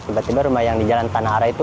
tiba tiba rumah yang di jalan tanahara itu